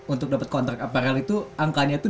untuk dapat kontrak aparel itu angkanya itu